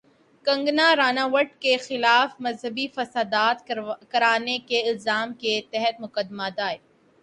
کنگنا رناوٹ کے خلاف مذہبی فسادات کرانے کے الزام کے تحت مقدمہ دائر